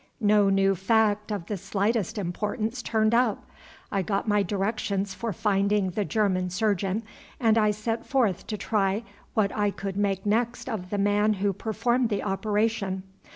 No new fact of the slightest importance turned up. I got my directions for finding the German surgeon, and I set forth to try what I could make next of the man who performed the operation.